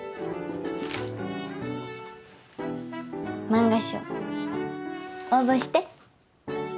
漫画賞応募して。